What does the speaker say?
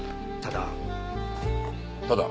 ただ。